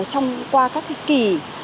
trong qua các cái kỳ